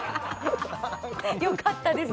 よかったです